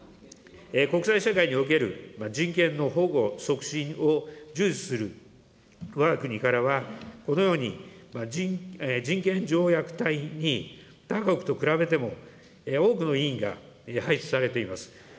国際社会における人権の保護、促進を重視するわが国からは、このように人権条約隊に他国と比べても、多くの委員が配置されています。